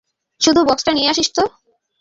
শুটু, বক্সটা নিয়ে আসিস তো।